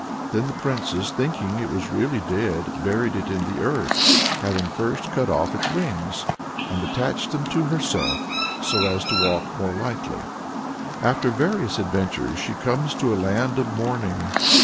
Then the princess, thinking it was really dead, buried it in the earth having first cut off its wings, and "attached them to herself so as to walk more lightly." After various adventures she comes to a land of mourning.